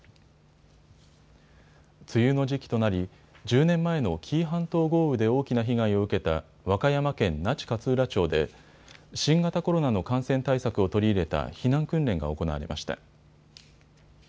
梅雨の時期となり１０年前の紀伊半島豪雨で大きな被害を受けた和歌山県那智勝浦町で新型コロナの感染対策を取り入れた避難訓練が行われました。